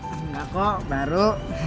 enggak kok baru